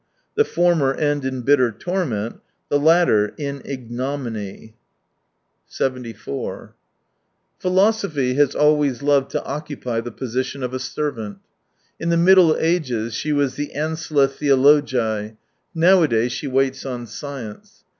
The former end in bitter torment, the latter — in ignominy. 83 74 Philosophy has always loved to occupy the position of a servant. In the Middle Ages she was the ancilla theologize, nowadays she waits on science.